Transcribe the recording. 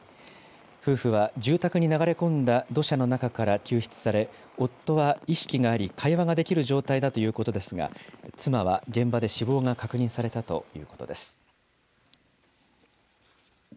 夫婦は住宅に流れ込んだ土砂の中から救出され、夫は意識があり、会話ができる状態だということですが、妻は現場で死亡が確認されたということです。